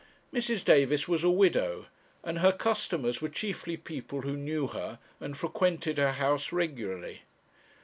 Mrs. Davis was a widow, and her customers were chiefly people who knew her and frequented her house regularly.